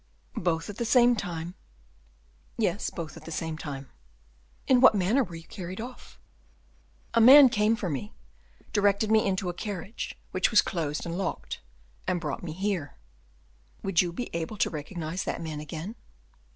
"Both at the same time?" "Yes, both at the same time." "In what manner were you carried off?" "A man came for me, directed me to get into a carriage, which was closed and locked, and brought me here." "Would you be able to recognize that man again?"